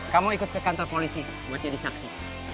kamu ikut ke kantor polisi buat jadi saksi